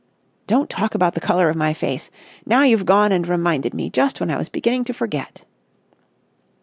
"Don't talk about the colour of my face! Now you've gone and reminded me just when I was beginning to forget."